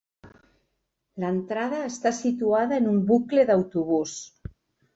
L'entrada està situada en un bucle d'autobús.